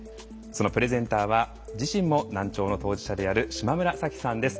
そのプレゼンターは自身も難聴の当事者である志磨村早紀さんです。